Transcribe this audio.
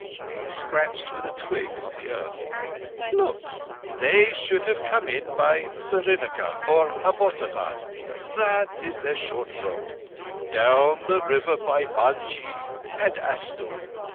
He scratched with a twig on the earth. "Look! They should have come in by Srinagar or Abbottabad. Thatt is their short road—down the river by Bunji and Astor.